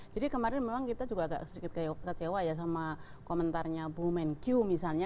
jadi kemarin memang kita juga agak sedikit kayak kecewa ya sama komentarnya bu menkyu misalnya